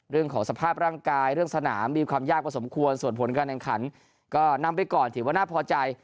เรื่องของสภาพร่างกายเรื่องสนามมีความยากพอสมควรส่วนผลการแข่งขันก็นำไปก่อนถือว่าน่าพอใจ